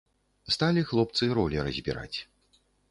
Сталі хлопцы ролі разбіраць.